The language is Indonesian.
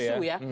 itu isu ya